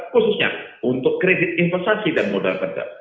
khususnya untuk kredit investasi dan modal kerja